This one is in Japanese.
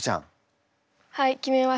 はい決めました。